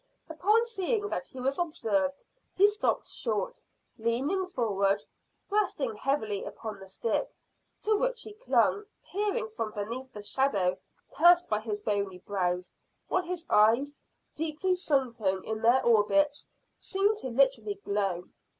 Upon seeing that he was observed he stopped short, leaning forward resting heavily upon the stick, to which he clung, peering from beneath the shadow cast by his bony brows, while his eyes, deeply sunken in their orbits, seemed to literally glow.